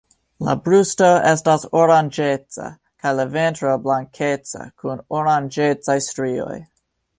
La brusto estas oranĝeca, kaj la ventro blankeca kun oranĝecaj strioj.